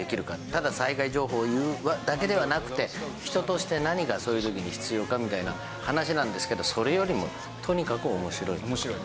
ただ災害情報を言うだけではなくて人として何がそういう時に必要かみたいな話なんですけどそれよりもとにかく面白い。